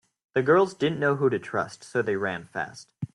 The girls didn’t know who to trust so they ran fast.